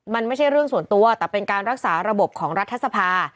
มันไม่ใช่เรื่องส่วนตัวแต่เป็นการรักษาระบบของรัฐสภา